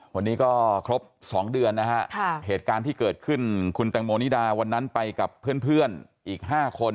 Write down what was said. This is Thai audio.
วันนี้ก็ครบ๒เดือนนะฮะเหตุการณ์ที่เกิดขึ้นคุณแตงโมนิดาวันนั้นไปกับเพื่อนอีก๕คน